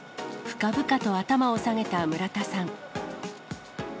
深々と頭を下げた村田さん。